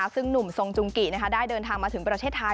ซึ่งหนุ่มทรงจุงกิได้เดินทางมาถึงประเทศไทย